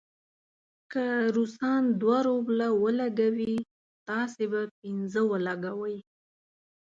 که روسان دوه روبله ولګوي، تاسې به پنځه ولګوئ.